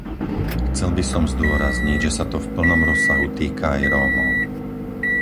Chcel by som zdôrazniť, že sa to v plnom rozsahu týka aj Rómov.